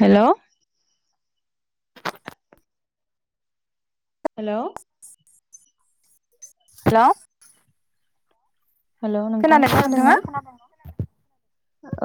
Hello hello hello hello नोंथां खोनादोंना नोंथाङा खोनादों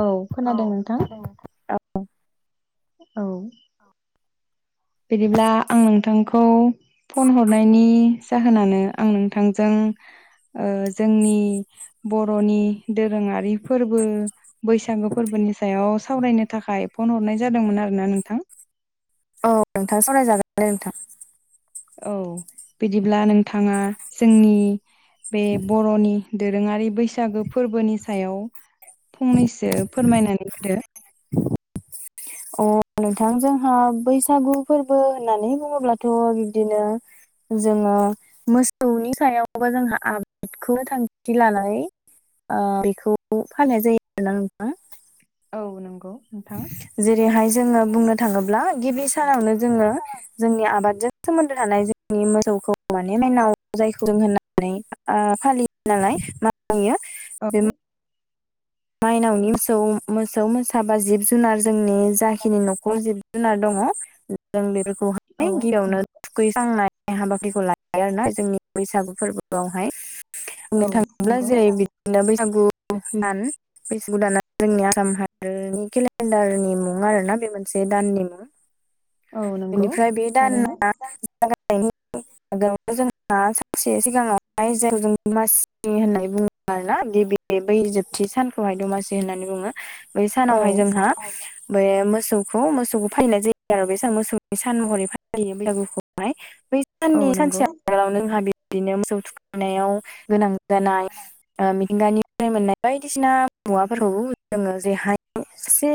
औ खोनादों नोंथां औ बिदिब्ला आं नोंथांखौ फन हरनायनि जाहोनानो आं नोंथांजों जोंनि बर'नि दोरोङारि फोरबो बैसागु फोरबोनि सायाव सावरायनो थाखाय फन हरनाय जादोंमोन आरोना नोंथां औ नोंथां सावरायजागोन दे नोंथां औ बिदिब्ला नोंथाङा जोंनि बे बर'नि दोरोङारि बैसागो फोरबोनि सायाव फंनैसो फोरमायनानै होदो अ नोंथां जोंहा बैसागु फोरबो होननानै बुङोब्लाथ' बिब्दिनो जोंङो मोसौनि सायावबा जोंहा आबादखौ थांखि लानाय बेखौ फाननाय जायो आरोना नोंथां औ नंगौ नोंथां। जेरैहाय जोङो बुंनो थाङोब्ला गिबि सानावनो जोङो जोंनि आबादजों सोमोन्दो थानाय जोंनि मोसौखौ माने मेनाव जायखौ होननानै ओ फालियो नालाय [unintelligible] अ माइनावनि मोसौ मोसौ मोसाबा जिब जुनार जोंनि जाखिनि न'खर जिब जुनार दङ जों औ बेफोरखौहाय औ गिबियावनो थुखैखांनाय हाबाफारिखौ लायो आरोना जोंनि बैसागु फोरबोआवहाय औ बुंनो थाङोब्ला नंगौ जेरै बिदिनो बैसागु दान बैसागु दान जोंनि आसाम हारिनि केलेन्डारनि मुं आरो ना बे मोनसे दाननि मुं [inaudible] नंगौ बेनिफ्राय बे थारैनो दाना जनायनि जोंहा सानसे सिगाङावहाय जों जों मानसि होननाय बुङो आरोना बे बे बै जोबथि सानखौहाय दमासि होननानै बुङो बै औ सानावहाय जोंहा बे मोसौखौ मोसौखौ फालिनाय जायो आरो बे मोसौनि सान महरै फालियो बैसागुखौहाय। [inaudible] साननै नंगौ सानसे आगोलाव जोंहा बिदिनो मोसौ थुखैनायाव गोनां जानाय ओ मिथिंगानिफ्राय मोननाय बायदिसिना मुवाफोरखौ जोङो जेरैहाय सासे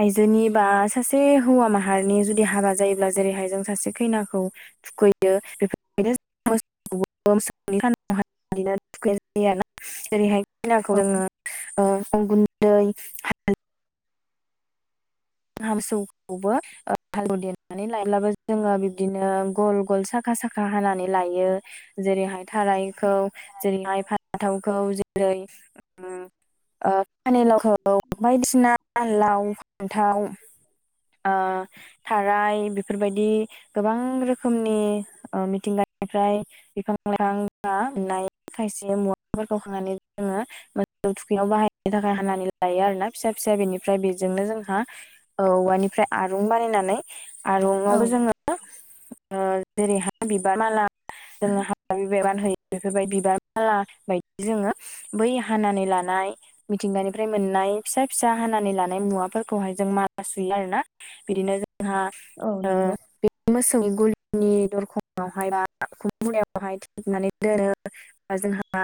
आइजोनि बा सासे हौवा माहारिनि जुदि हाबा जायोब्ला जेरैहाय जों सासे खैनाखौ थुखैयो बेफोरबायनो [unintelligible] [unintelligible] थुखैनाय जायो ना जेरैहाय खैनाखौ औ जोङो अन गुन्दै हामसौखौबो ओ हालौ देनानै लायब्लाबो जोङो बिबदिनो गल गल साखा साखा हानानै लायो जेरैहाय थारायखौ जेरैहाय फानथावखौ जेरै ओ पानि लावखौ बायदिसिना फान थाव ओ थाराय बेफोरबायदि गोबां रोखोमनि ओ मिथिंगानिफ्राय बिफां लाइफां बानाय खायसे मुवाफोरखौ खांनानै जोङो मोसौ थुखैनायाव बाहायनो थाखाय हानानै लायो आरो ना फिसा फिसा बेनिफ्राय बेजोंनो जोंहा औ औवानिफ्राय आरं बानायनानै औ आरंआवबो जोङो ओ जेरैहाय बिबार माला जो हा बिबान होयो बेफोरबायदि बिबार बाला बायदि जोङो बै हानानै लानाय मिथिंगानिफ्राय मोननाय फिसा फिसा हानानै लानाय मुवाफोरखौ खौहाय जों माला सुयो आरोना बिदिनो जोंहा औ ओ नंगौ मोसौनि गुलिनि दरखंआवहाय ना उखुम मुदायावहाय थिबनानै दोनो। जोंहा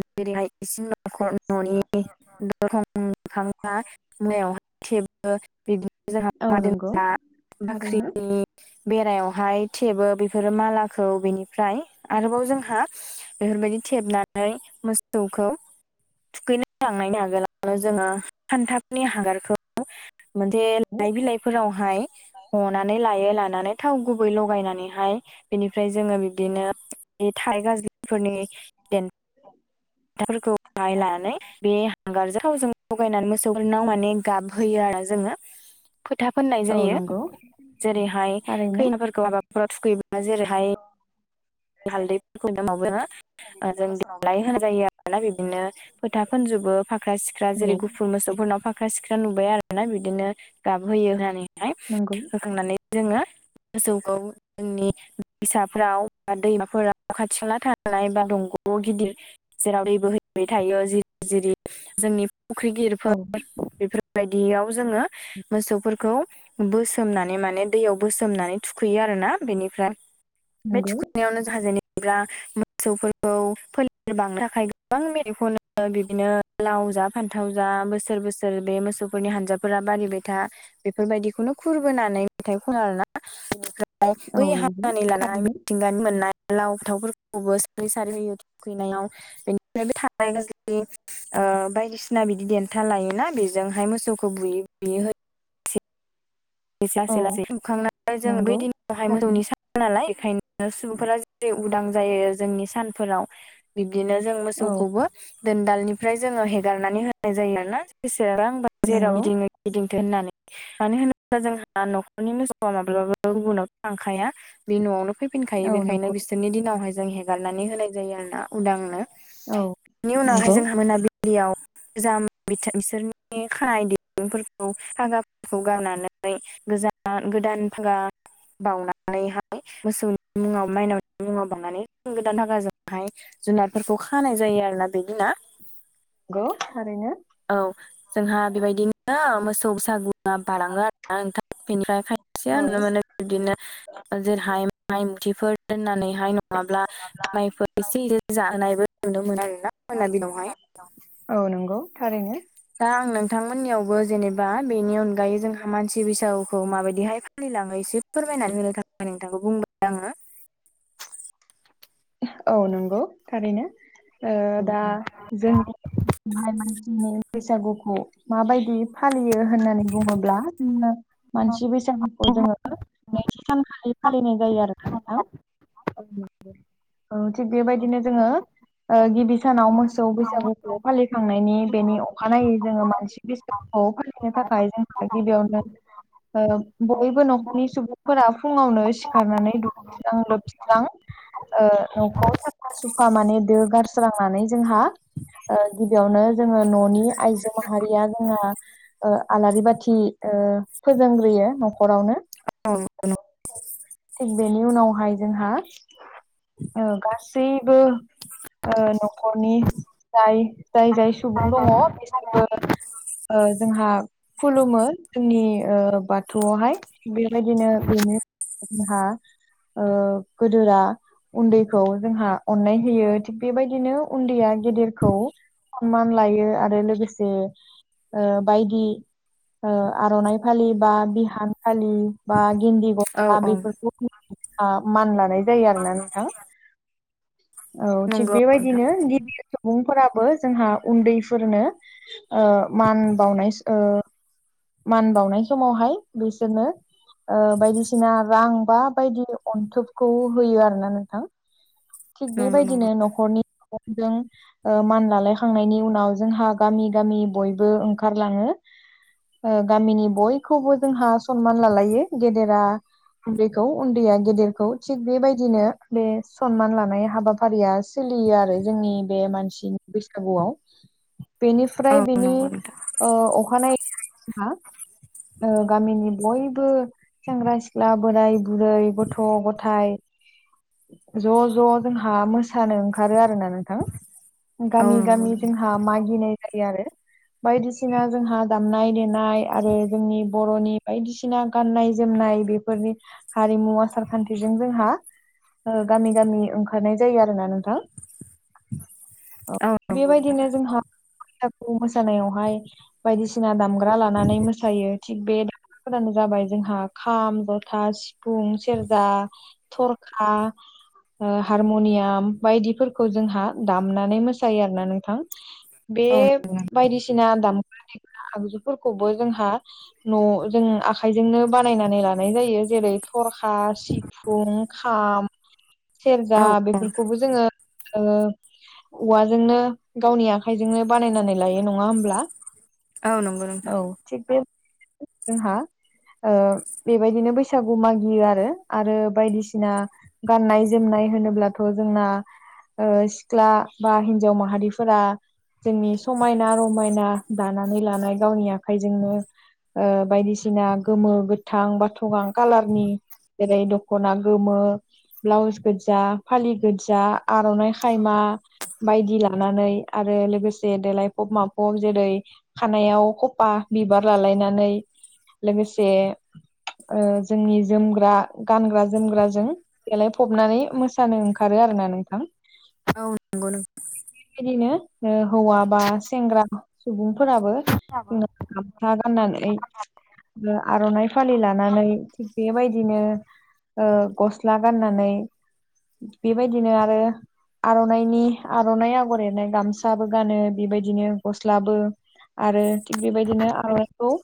जेरैहाय इसिं न'खर न'नि दरखं मोखाङा मुनायावहाय खेबो बिदिनो औ जोंहा नंगौ दोना थारैनो बाख्रिनि बेरायावहाय थेबो बेफोरो मालाखौ बेनिफ्राय आरोबाव जोंहा बेफोरबायदि थेबनानै मोसौखौ थुखैनो थांनायनि आगोलावनो जोङो खान्थाफोरनि हांगारखौ मोनसे लाइ बिलाइ फोरावहाय हनानै लायो लानानै थाव गुबै लगायनानैहाय बेनिफ्राय जोङो बिब्दिनो बे थाइ गाज्रिफोरनि देनथाफोरखौहाय लानानै बे हांगारजों थावजों लगायनानै मोसौफोरनाव माने गाबहोयो आरो जोङो। फोथा फोननाय औ जायो नंगौ जेरैहाय थारैनो खैनाफोरखौ हाबाफोराव थुखैयोब्ला जेरैहाय जेरै हालदैफोरखौ [unintelligible] गैया जों मोसौनावबो देलाय होनाय जायो आरोना बिदिनो फोथा फुनजोबो फाख्रा सिख्रा जेरै औ गुफुर मोसौफोरनाव फा फाख्रा सिख्रा नुबाय आरोना बिदिनो गाबहोयो होननानैहाय नंगौ बोखांनानै जोङो मोसौखौ जोंनि फिसाफ्राव दैमाफोराव खाथि खाला थानाय बा दंग'आव गिदिर जेराव दै बोहैबाय थायो जिरि जिरि जोंनि फुख्रि गिदिरफोर औ बेफोर बे बायदियाव जोङो मोसौफोरखौ बोसोमनानै माने दैयाव बोसोमनानै थुखैयो आरोना बेनिफ्राय बे नंगौ थुखै नायावनो जोंहा जेनेबा मोसौफोरखौ फोलेर बांनो थाखाय गोबां मेनो बिदिनो लाव जा फान्थाव जा बोसोर बोसोर बे मोसौफोरनि हानजाफोरा बारिबायथा बेफोरबायदिखौनो खुरबोनानै मेथाइ खननो ना बेफोर औ बै नंगौ हानानै लानानै थारैनो मिथिंगानि मोननाय लाव थावफोरखौबो सारै सारै होयो थुखैनायाव बेनिफ्राय थानाय गाज ओ बायदिसिना बिदि देन्था लायोना बेजोंहाय मोसौखौ बुयै बुयै होयो। औ लासै लासै सखांनानै ज बे नंगौ दिनावाय मोसौनि सान नालाय बेखायनो सुबुंफोरा जेरै उदां जायो जोंनि सानफोराव बिब्दिनो जों औ मोसौखौबो दोनदालनिफ्राय जोङो हेगारनानै होनाय जायो आरोना [unintelligible] जेराव नंगौ गिदिङो गिदिंथो होननानै मानो होनोबा दा जोंहा न'खरनि मोसौआ माब्लाबाबो गुबुनाव थांखाया। बे न'आवनो फैफिनखायो औ बेखायनो नंगौ बिसोरनि दिनावहाय जों हेगारनानै होनाय जायो आर ना उदांनो। औ बेनि उनावहाय नंगौ जोंहा मोनाबिलियाव गोजाम बिसोरनि खानाय दिरुंफोरखौ फागाफोरखौ गारनानै ओ गोजान गोदान फागा बावउनानैहाय मोसौनि मुङाव मायनावनि मुङाव बावनानै गोदान फागाजोंहाय जुनारफोरखौ खानाय जायो आरोना बिदिना। औ नंगौ थारैनो। औ जोंहा बेबायदिनो मोसौ बैसागुआ बारलाङो आरो। आथ बेनिफ्राय खायसेया औ नुनो मोनो बिदिनो जेरैहाय माइ मुथिफोर दोननानै बेहाय नङाब्ला माइफोर एसे ए जानायबो नुनो मोनो आरोना मोनाबिलियावहाय। औ नंगौ थारैनो। दा आं नोंथांमोननियावबो जेनेबा बेनि अनगायै जोंहा मानसि बैसागुखौ माबायदिहाय फालिलाङो एसे फोरमायनानै होनो थाखाय नोंथांखौ बुंबाय आङो। औ नंगौ थारैनो ओ औ दा जोंनिाय मानसिनि बैसागुखौ माबायदि फालियो? होननानै बुङोब्ला जोङो मानसि बैसागुखौ जोङो नैथि सानखालि फालिनाय जायो आरो। औ थिग बेबायदिनो जोङो ओ गिबि सानाव मोसौ बैसागुखौ फालिखांनायनि बेनि अखानायै जोङो मानसि खौ फालिनो थाखाय जों गिबियावनो बयबो न'खरनि सुबुंफोरा फुङावनो सिखारनानै दु दुगैस्रां लोबस्रां ओ न'खौ साफा सुफा माने दो गारस्रांनानै जोंहा ओ गिबियावनो जोङो न'नि आइजो माहारिया जोंहा ओ आलारि बाथि ओ फोजोंग्रोयो न'खरावनो। औ नंगौ नंगौ थिग बेनि उनावहाय जोंहा ओ गासैबो ओ न'खरनिफ्राय जाय जाय सुबुं दङ बिसोरबो जोंहा खुलुमो जोंनि ओ बाथौआवहाय बेबायदिनो बेनि जोंहा ओ गोदोरा उन्दैखौ जोंहा अननाय होयो थिग बेबायदिनो उन्दैया गेदेरखौ सनमान लायो आरो लोगोसे ओ बायदि ओ आर'नाइ फालि बा बिहान फालि बा गिन्दि औ गस्ला औ बेफोरखौ आ मान लानाय जायो आरो ना औ थिग नंगौ नोंथां बेबायदिनो [unintelligible] सुबुंफोराबो जोंहा उन्दैफोरनो मान ओ बाउनाय ओ मान बाउनाय समावहाय बिसोरनो बायदिसिना रां बा बायदि अन्थोबखौ होयो आरोना नोंथां थिक नंगौ नंगौ बेबायदिनो नखरनि [unintelligible] मान लालायखांनायनि उनाव जोंहा गामि गामि बयबो ओंखारलाङो गामिनि बयखौबो जोंहा सनमान लालायो गेदेरा उन्दैखौ उन्दैया गेदेरखौ थिग बेबायदिनो बे सनमान लानाय हाबाफारिया सोलियो आरो जोंनि बे मानसिनि बैसागुआव बेनिफ्राय औ बेनि नंगौ नोंथां ओ अखानाय जोंहा गामिनि बयबो सेंग्रा सिख्ला बोराय बुरै गथ' गथाय ज' ज' जोंहा मोसानो ओंखारो आरोना नोंथां औ गामि गामि नंगौ नोंथां जोंहा मागिनाय जायो आरो बायदिसिना जोंहा दामनाय देनाय आरो जोंनि बर'नि बायदिसिना गाननाय जोमनाय बेफोरनि हारिमु आसार खान्थिजों जोंहा ओ गामि गामि ओंखारनाय जायो आरोना नोंथां औ नंगौ नोंथां बेबायदिनो जोंहा बैसागुखौ मोसानायावहाय बायदिसिना दामग्रा लानानै मोसायो थिग बे दामग्राफोरानो जाबाय जोंहा खाम जथा सिफुं सेरजा थरखा ओ हारमुनियाम बायदिफोरखौ जोंहा दामनानै मोसायो आरोना नोंथां बे औ बायदिसिना दामग्रा देग्रा आगजुफोरखौबो जोंहा न' जों आखाइजोंनो बानायनानै लानाय जायो जेरै थरखा सि फुं खाम सेरजा औ बेफोरखौबो जोङो औवाजोंनो गावनि आ खाइजोंनो बानायनानै लायो नङा होमब्ला आ नंगौ नोंथां औ थिग बे [unintelligible] जोंहा ओ बेबायदिनो बैसागु मागियो आरो आरो बायदिसिना गाननाय जोमनाय होनोब्लाथ' जोंना ओ सिख्ला बा हिन्जाव माहारिफोरा जोंनि समायना रमायना दानानै लानाय गावनि आखाइजोंनो ओ बायदिसिना गोमो गोथां बाथ'गां कालारनि जेरै दख'ना गोमो ब्लाउस गोजा फालि गोजा आर'नाइ खायमा बायदि लानानै आरो लोगोसे देलायफब माफब जेरै खानायाव खफा बिबार लालायनानै लोगोसे जोंनि जोमग्रा गानग्रा जोमग्राजों देलायफबनानै मोसानो ओंखारो आरोना नोंथां औ नंगौ नों बेबादिनो हौवा बा सेंग्रा सुबुंफोराबो नोंथां जोंना गामसा गाननानै ओ आर'नाइ फालि लानानै बेबायदिनो गस्ला गाननानै बेबायदिनो आरो आर'नाइनि आर'नाइ आगर एरनाय गामसाबो गानो बेबायदिनो गस्लाबो आरो थिग बेबायदिनो आर'नायखौ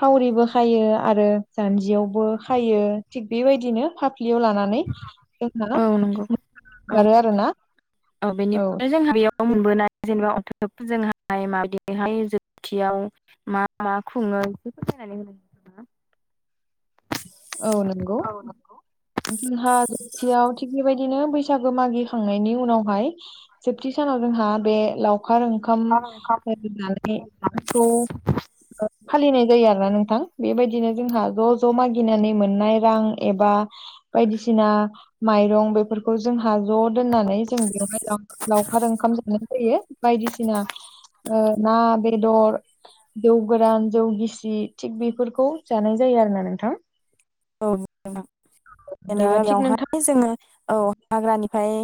फावरिबो खायो आरो जान्जियावबो खायो थिग बेबायदिनो फाफ्लियाव लानानै जोंना औ नंगौ औ ओंखारो आरोना औ बेनिफ्राय जोंहा बेयाव मोनबोनाय जेनेबा अथ जोंहाय माबहाय जोबथियाव [unintelligible] मा मा खुङो बेफोरखौ नायनानै होनो नोंथाङा। औ नंगौ औ नंगौ जोंहा जोबथियाव थिग बेबायदिनो बैसागो मागिखांनायनि उनावहाय जोबथि सानाव जोंहा बे लावखार ओंखाम मागिनानै मोननायखौ फालिनाय जायो आरोना नोंथां बेबायदिनो जोंहा ज' ज' मागि गिनानै मोननाय रां एबा बायदिसिना माइरं बेफोरखौ जोंहा ज' दोननानै जों बेवहाय लां लावखार ओंखाम जानाय जायो बायदिसिना ना बेदर जौ गोरान जौ गिसि थिग बेफोरखौ जानाय जायो आरो ना नोंथां। औ दा जेनेबा थिग नोंथां बेयावहाय जोङो औ हाग्रानिफ्राय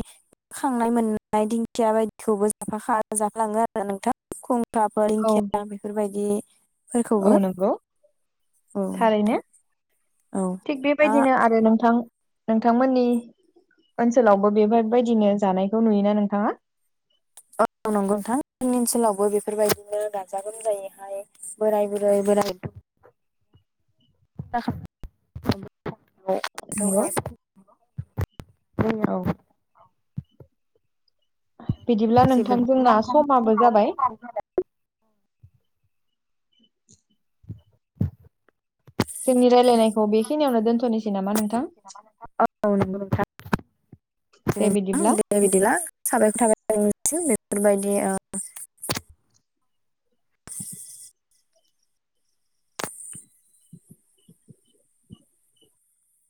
खांनाय मोननाय दिंखिया बायदिखौबो [unintelligible] आरो नोंथां खुंखाफोर औ दिंखिया बेफोरबायदि औ नंगौ नोंथां थारैनो औ थिग बेबायदिनो आरो नोंथां। नोंथांमोननि ओनसोलावबो बेफोरबायदिनो जानायखौ नुयोना नोंथाङा? औ नंगौ नोंथां जोंनि ओनसोलावबो बेफोरबायदिनो गाजा गोमजायैहाय बोराय बुरै बोराय [inaudible] नंगौ [unintelligible] औ बिदिब्ला नोंथां जोंना समाबो जाबाय जोंनि रायलायनायखौ बेखिनियावनो दोनथ'नोसै नामा नोंथां। औ नंगौ नोंथां [inaudible] दे बिदिब्ला। बे बिदिब्ला साबायखर थाबाय बेफोरबायदि ओ